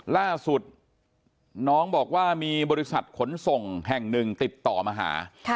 ล่าสุดน้องบอกว่ามีบริษัทขนส่งแห่งหนึ่งติดต่อมาหา